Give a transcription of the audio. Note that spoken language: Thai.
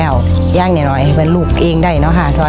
เยี่ยมให้รู้ว่ามันลูกเองได้นะคะ